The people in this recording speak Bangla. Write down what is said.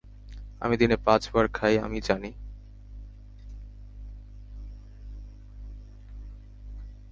আমি দিনে পাঁচবার খাই, আমি জানি।